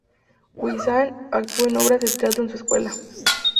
Hussain actuó en obras de teatro en su escuela.